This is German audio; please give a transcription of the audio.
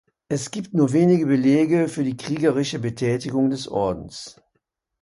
Es gibt nur wenige Belege für die kriegerische Betätigung des Ordens.